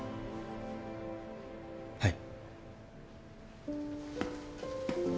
はい。